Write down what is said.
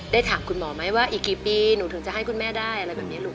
ได้ถามคุณหมอไหมว่าอีกกี่ปีหนูถึงจะให้คุณแม่ได้อะไรแบบนี้ลูก